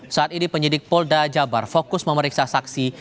saat ini penyidik polda jabar fokus memeriksa saksi